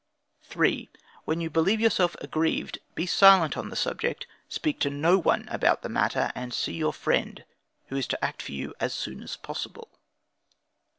3. When you believe yourself aggrieved, be silent on the subject, speak to no one about the matter, and see your friend, who is to act for you, as soon as possible.